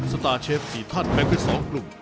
สตาร์เชฟ๔ท่านแบ่งเป็น๒กลุ่ม